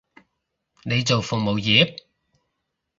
你做服務業？